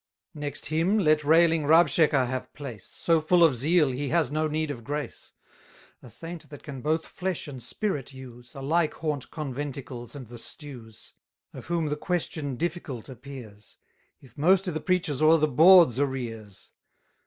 Next him, let railing Rabsheka have place, So full of zeal he has no need of grace; A saint that can both flesh and spirit use, 300 Alike haunt conventicles and the stews: Of whom the question difficult appears, If most i' th' preacher's or the bawd's arrears.